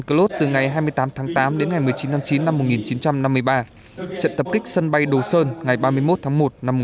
cơ lốt từ ngày hai mươi tám tháng tám đến ngày một mươi chín tháng chín năm một nghìn chín trăm năm mươi ba trận tập kích sân bay đồ sơn ngày ba mươi một tháng một